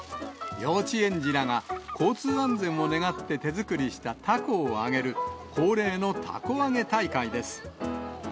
幼稚園児らが、交通安全を願って手作りしたたこを揚げる、恒例のたこ揚げ大会です。